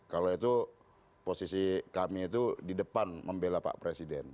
kalau itu posisi kami itu di depan membela pak presiden